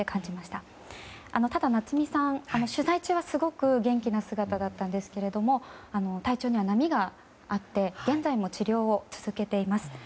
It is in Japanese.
ただ、夏実さんは取材中はすごく元気な姿だったんですが体調には波があって現在も治療を続けています。